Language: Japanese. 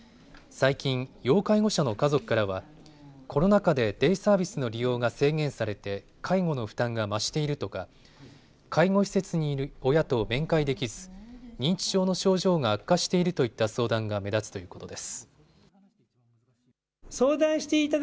最近、要介護者の家族からはコロナ禍でデイサービスの利用が制限されて介護の負担が増しているとか介護施設にいる親と面会できず認知症の症状が悪化しているといった相談が目立つということです。